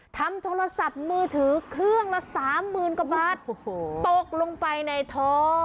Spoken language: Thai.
ทำโทรศัพท์มือถือเครื่องละสามหมื่นกว่าบาทโอ้โหตกลงไปในท้อ